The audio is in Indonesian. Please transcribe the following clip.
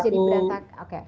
peluk peluknya jadi berantak oke